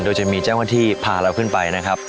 โดยจะมีเจ้าหน้าที่พาเราขึ้นไปนะครับ